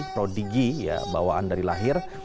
prodigi ya bawaan dari lahir